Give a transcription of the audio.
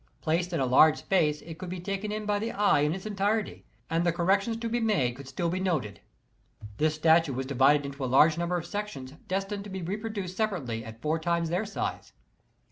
Placed in a large space it could be taken in by the eye in its entirety, and the corrections to be made could still be noted. This statue was divided into a large number of sections destined to be reproduced sepa rately at four times their size.